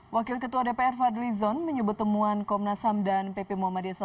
wakil ketua dpr fadli zon menyebut temuan komnasam dan ppmomadeso